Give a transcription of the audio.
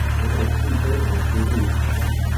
臺南市中華西路